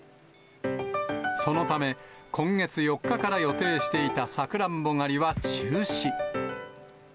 そのため、今月４日から予定していたさくらんぼ狩りは中止。